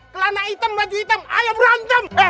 kelana hitam baju hitam ayo berantem